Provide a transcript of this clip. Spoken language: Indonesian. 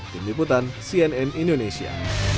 tim liputan cnn indonesia